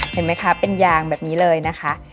เห็นไหมคะเป็นยางแบบนี้เลยนะคะ